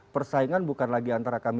persaingan bukan lagi antara kami